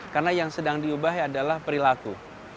karena yang sedang diubah adalah perilaku